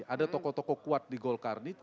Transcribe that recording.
ada tokoh tokoh kuat di golkar